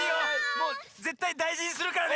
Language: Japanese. もうぜったいだいじにするからね。